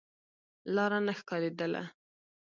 لاره نه ښکارېدله.